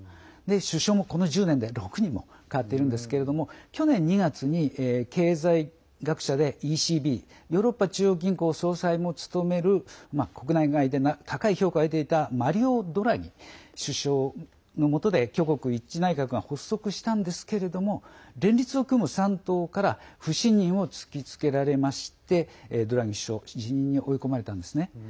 首相もこの１０年で６人も代わっているんですけれども去年２月に経済学者でＥＣＢ＝ヨーロッパ中央銀行総裁も務める国内外で高い評価を得ていたマリオ・ドラギ首相のもとで挙国一致内閣が発足したんですけれども連立を組む３党から不信任を突きつけられましてドラギ首相辞任に追い込まれたんですね。